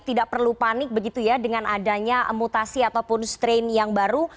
tidak perlu panik begitu ya dengan adanya mutasi ataupun strain yang baru